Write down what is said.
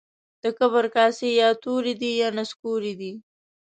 د کبر کاسې يا توري دي يا نسکوري دي.